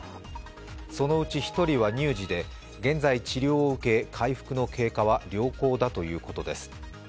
そのうち１人は乳児で、現在治療を受け回復の経過は良好だということです。